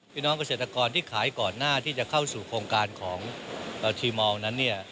พี่น้องเกษตรกรที่ขายก่อนหน้าที่จะเข้าสู่โครงการของทีมอลนั้นเนี่ย